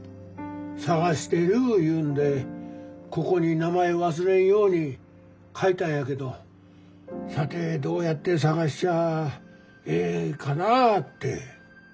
探してるいうんでここに名前忘れんように書いたんやけどさてどうやって探しちゃええんかなあって。